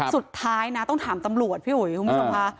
สุดท้ายนะต้องถามตำรวจพี่อุ๋ยคุณผู้ชมค่ะ